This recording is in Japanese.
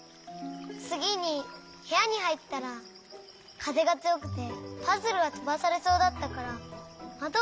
つぎにへやにはいったらかぜがつよくてパズルがとばされそうだったからまどをしめようとしたの。